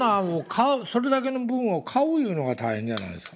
それだけの分を買ういうのが大変じゃないですか。